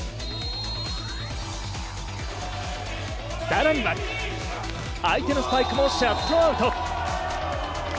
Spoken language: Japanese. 更には、相手のスパイクもシャットアウト。